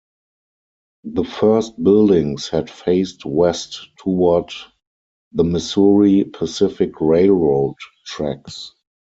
The first buildings had faced west toward the Missouri Pacific Railroad tracks.